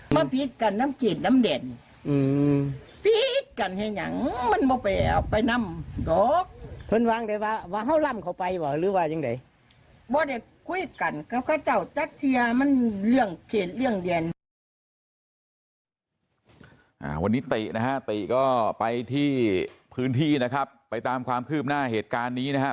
วันนี้ตินะฮะตินะฮะติก็ไปที่พื้นที่นะครับไปตามความคืบหน้าเหตุการณ์นี้นะฮะ